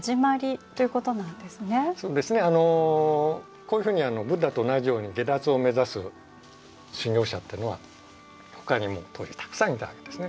こういうふうにブッダと同じように解脱を目指す修行者っていうのはほかにも当時たくさんいたわけですね。